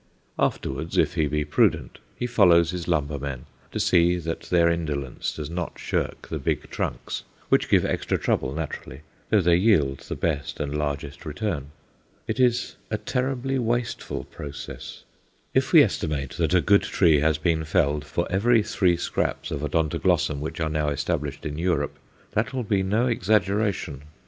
Afterwards, if he be prudent, he follows his lumber men, to see that their indolence does not shirk the big trunks which give extra trouble naturally, though they yield the best and largest return. It is a terribly wasteful process. If we estimate that a good tree has been felled for every three scraps of Odontoglossum which are now established in Europe, that will be no exaggeration.